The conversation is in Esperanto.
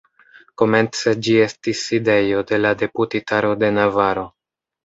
Komence ĝi estis sidejo de la Deputitaro de Navaro.